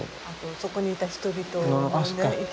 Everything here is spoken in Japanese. そこにいた人々のね